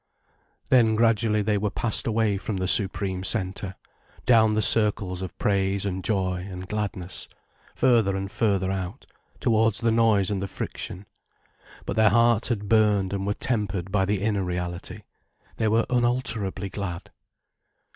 Then gradually they were passed away from the supreme centre, down the circles of praise and joy and gladness, further and further out, towards the noise and the friction. But their hearts had burned and were tempered by the inner reality, they were unalterably glad.